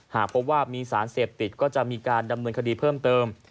หากพบว่ามีสารเสพติดก็จะมีการดำเนินคดีเพิ่มเติม